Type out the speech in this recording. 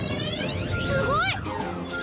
すごい！